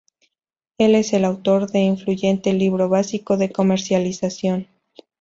Él es el autor del influyente libro básico de comercialización.